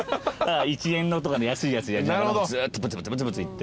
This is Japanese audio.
１円のとかの安いやつでやりながらずっとぶつぶつぶつぶつ言って。